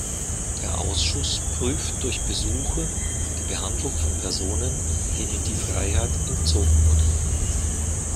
Der Ausschuss prüft durch Besuche die Behandlung von Personen, denen die Freiheit entzogen wurde.